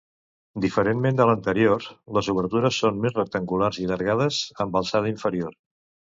Diferentment de l'anterior, les obertures són més rectangulars i allargades amb alçada inferior.